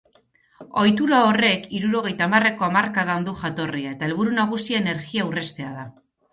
Ohitura horrek hirurogeita hamarreko hamarkadan du jatorria eta helburu nagusia energia aurreztea da.